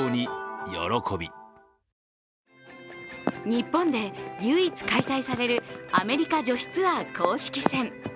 日本で唯一開催されるアメリカ女子ツアー公式戦。